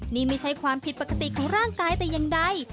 นี่ไม่ใช่ความผิดปกติของร่างกายแต่อย่างใด